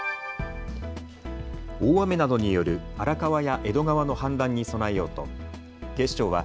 大雨などによる荒川や江戸川の氾濫に備えようと警視庁は